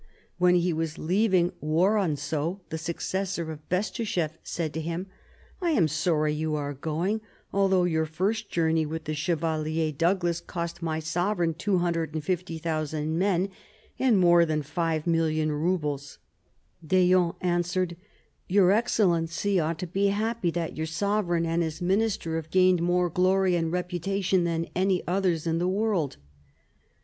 When he was leaving, Woronzow, the successor of Bestuchéf, said to him, "I am sorry you are going, although your first journey with Chevalier Douglas cost my sovereign 250,000 men and more than 5,000,000 roubles." D'Eon answered: "Your excellency ought to be happy that your sovereign and his minister have gained more glory and reputation than any others in the world."